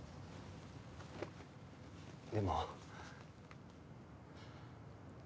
でも。